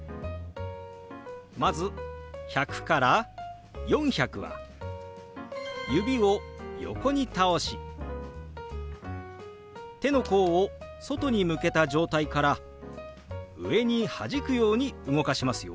まず１００から４００は指を横に倒し手の甲を外に向けた状態から上にはじくように動かしますよ。